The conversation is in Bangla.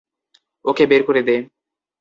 ওকে বের করে দে!